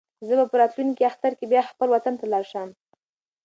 زه به په راتلونکي اختر کې بیا خپل وطن ته لاړ شم.